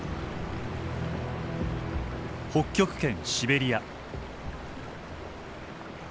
北極圏シベリア。